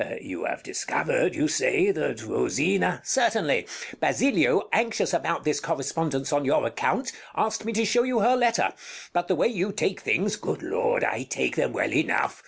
You have discovered, you say, that Rosina Count [angrily] Certainly. Basilio, anxious about this correspondence on your account, asked me to show you her letter; but the way you take things Bartolo Good Lord! I take them well enough.